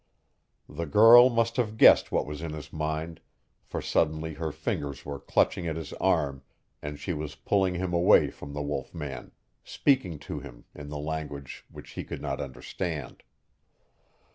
The girl must have guessed what was in his mind, for suddenly her fingers were clutching at his arm and she was pulling him away from the wolf man, speaking to him in the language which he could not understand.